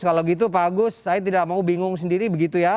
kalau gitu pak agus saya tidak mau bingung sendiri begitu ya